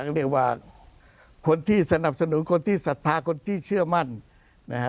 เรียกว่าคนที่สนับสนุนคนที่ศรัทธาคนที่เชื่อมั่นนะฮะ